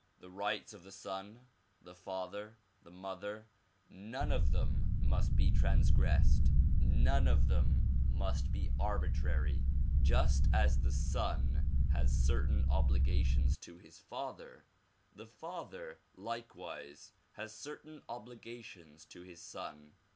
The rights of the son, the father, the mother, none of them must be transgressed, none of them must be arbitrary. Just as the son has certain obligations to his father, the father likewise has certain obligations to his son.